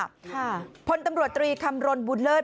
ค่ะพลตำรวจตรีคำรณบุญเลิศ